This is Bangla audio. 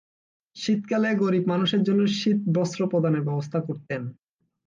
শীতকালে গরীব মানুষের জন্য শীত বস্ত্র প্রদানের ব্যবস্থা করতেন।